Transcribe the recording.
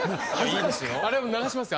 あれ流しますよ。